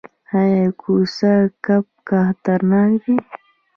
ایا کوسه کب خطرناک دی؟